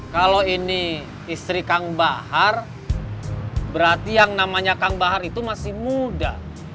kalau ini istri kang bahar berarti yang namanya kang bahar itu masih muda